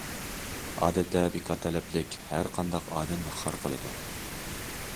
ئادەتتە بىكار تەلەپلىك ھەر قانداق ئادەمنى خار قىلىدۇ.